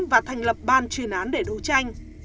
và thành lập ban chuyên án để đấu tranh